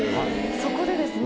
そこでですね